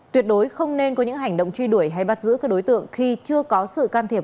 tuyệt đối không nên có những hành động truy đuổi hay bắt giữ các đối tượng khi chưa có sự can thiệp